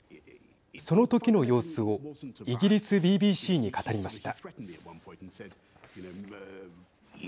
その時の様子をイギリスＢＢＣに語りました。